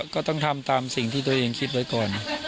ก็ต้องทำตามสิ่งที่ตัวเองคิดไว้ก่อน